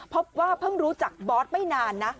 พบว่าเพิ่งรู้จักบอสไม่นานนะ